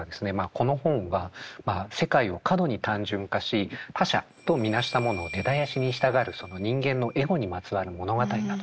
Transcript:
「この本は世界を過度に単純化し他者とみなした者を根絶やしにしたがる人間のエゴにまつわる物語なのだ。